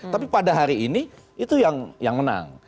tapi pada hari ini itu yang menang